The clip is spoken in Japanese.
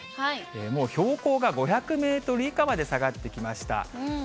もう標高が５００メートル以下まで下がってきました。